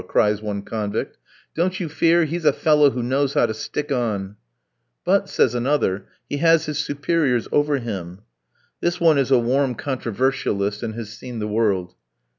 cries one convict; "don't you fear, he's a fellow who knows how to stick on." "But," says another, "he has his superiors over him." This one is a warm controversialist, and has seen the world.